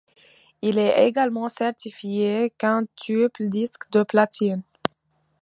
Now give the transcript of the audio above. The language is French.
Il est également certifié quintuple disque de platine.